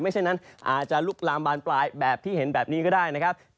เช่นนั้นอาจจะลุกลามบานปลายแบบที่เห็นแบบนี้ก็ได้นะครับ